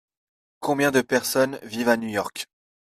Combien de personnes vivent à New York ?